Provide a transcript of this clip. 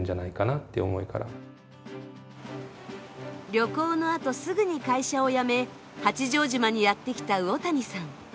旅行のあとすぐに会社を辞め八丈島にやって来た魚谷さん。